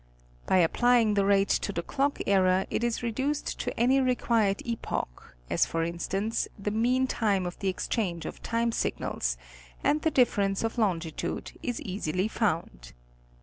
By applying the rate to the clock error it is reduced to any required epoch, as for instance, the mean time of the exchange of time signals, and the difference of longi tude is easily found.